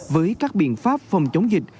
với các biện pháp phòng chống dịch